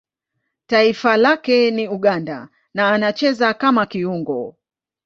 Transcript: Taifa lake ni Uganda na anacheza kama kiungo.